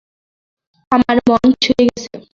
আমার মন ছুঁয়ে গেছে!